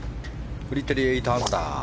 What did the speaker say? フリテリ、８アンダー。